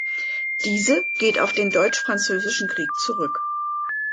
Diese geht auf den Deutsch-Französischen Krieg zurück.